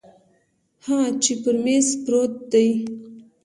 ها چې پر میز پروت دی